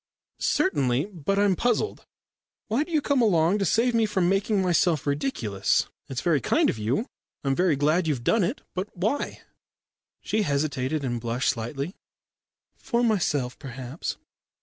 "Certainly. But I'm puzzled. Why do you come along to save me from making myself ridiculous? It's very kind of you. I'm very glad you've done it. But why?" She hesitated and blushed slightly. "For myself, perhaps."